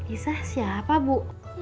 isah siapa bu